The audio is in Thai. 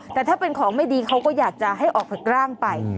แต่ถ้าเป็นของไม่ดีเขาก็อยากจะให้ออกจากร่างไป